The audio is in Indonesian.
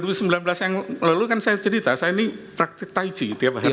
dua ribu sembilan belas yang lalu kan saya cerita saya ini praktik taiji tiap hari